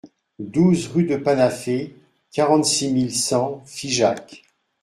douze rue de Panafé, quarante-six mille cent Figeac